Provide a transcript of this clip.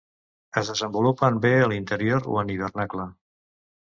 Es desenvolupen bé a l'interior o en hivernacle.